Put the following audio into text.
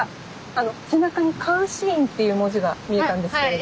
あの背中に「監視員」っていう文字が見えたんですけれど。